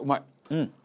うん。